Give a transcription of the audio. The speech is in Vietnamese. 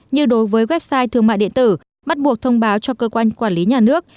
như đối với website thương mại điện tử bắt buộc thông báo cho cơ quan quản lý nhà nước